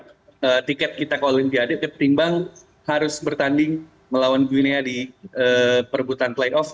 karena tiket kita ke olimpiade ketimbang harus bertanding melawan guinea di perbutan playoff